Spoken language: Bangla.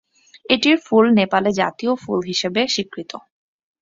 এটির ফুল নেপালে জাতীয় ফুল হিসেবে স্বীকৃত।